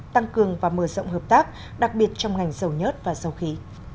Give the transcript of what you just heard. tăng cường và mở rộng hợp tác đặc biệt trong ngành dầu nhớt và dầu khí